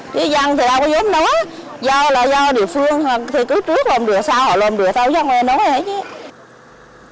thì cứ trước làm được sao họ lồn được sao dân họ nói hết chứ